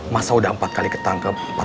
masa sudah empat kali ketangkep